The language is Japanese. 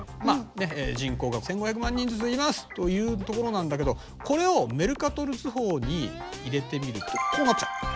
まあ人口が１，５００万人ずついますというところなんだけどこれをメルカトル図法に入れてみるとこうなっちゃう。